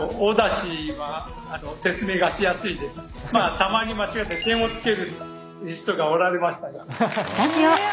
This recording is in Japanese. たまに間違えて点をつける人がおられましたが。